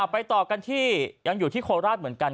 ไปต่อกันที่ยังอยู่ที่โคราชเหมือนกัน